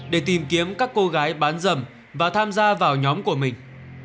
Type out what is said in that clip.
để tìm kiếm các cô gái bán dâm và tham gia vào nhóm của mình